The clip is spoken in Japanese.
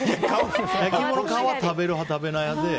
焼き芋の皮食べる派、食べない派で。